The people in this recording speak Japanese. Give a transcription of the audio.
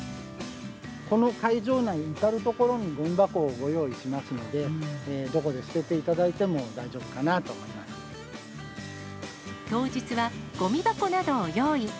この会場内の至る所に、ごみ箱をご用意しますので、どこで捨てていただいても大丈夫当日はごみ箱などを用意。